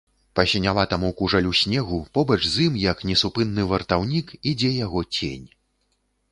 Па сіняватаму кужалю снегу, побач з ім, як несупынны вартаўнік, ідзе яго цень.